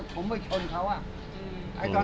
ผมไว้ชนเขาจริง